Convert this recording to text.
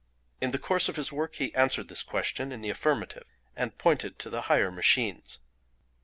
In the course of his work he answered this question in the affirmative and pointed to the higher machines.